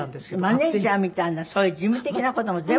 マネジャーみたいなそういう事務的な事も全部。